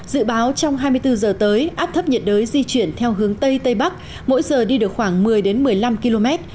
dự báo trong hai mươi bốn giờ tới áp thấp nhiệt đới di chuyển theo hướng tây tây bắc mỗi giờ đi được khoảng một mươi một mươi năm km